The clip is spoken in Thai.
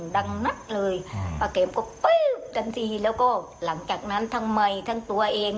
ดังนักเลยป้าเข็มก็ปื๊บจนทีแล้วก็หลังจากนั้นทั้งใหม่ทั้งตัวเอง